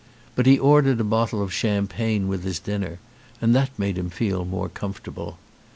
But he ordered a bottle of champagne with his dinner and that made him feel more comfortable.